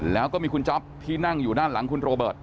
แล้วก็มีคุณจ๊อปที่นั่งอยู่ด้านหลังคุณโรเบิร์ต